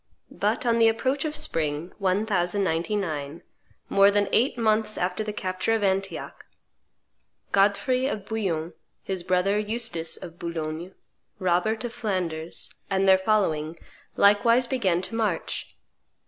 But on the approach of spring, 1099, more than eight months after the capture of Antioch, Godfrey of Bouillon, his brother, Eustace of Boulogne, Robert of Flanders, and their following, likewise began to march.